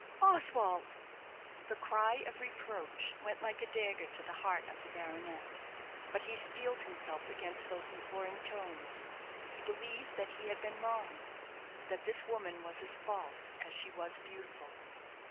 "Oswald!" The cry of reproach went like a dagger to the heart of the baronet. But he steeled himself against those imploring tones. He believed that he had been wronged that this woman was as false as she was beautiful.